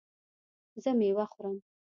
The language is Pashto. زه میوه خورم